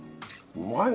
うまいわ！